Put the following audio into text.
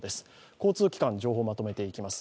交通機関、情報まとめていきます。